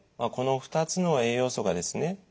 この２つの栄養素がですね